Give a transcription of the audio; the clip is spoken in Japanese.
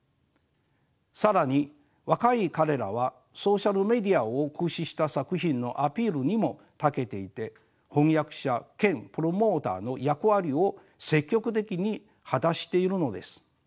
更に若い彼らはソーシャルメディアを駆使した作品のアピールにもたけていて翻訳者兼プロモーターの役割を積極的に果たしているのです。